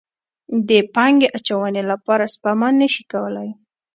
د پانګې اچونې لپاره سپما نه شي کولی.